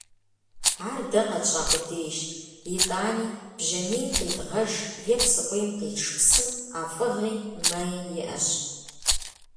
Ар дэ къэтщӀа къудейщ, итӀани бжьамийм къидгъэж е псыкъуийм къитш псым ӀэфӀыгъи, мэи иӀэщ.